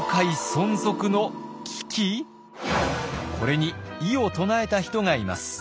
これに異を唱えた人がいます。